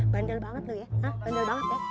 banget banget ya manasar oh ini